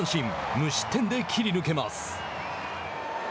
無失点で切り抜けます。